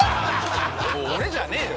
俺じゃねえよ